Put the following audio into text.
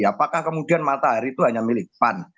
apakah kemudian matahari itu hanya milik pan